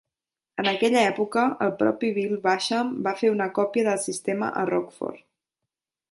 En aquella època, el propi Bill Basham va fer una còpia del sistema a Rockford.